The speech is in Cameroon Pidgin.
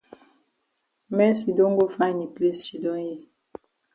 Mercy don go find yi place shidon yi.